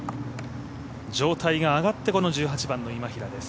状態が上がってこの１８番の今平です。